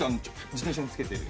自転車につけてる。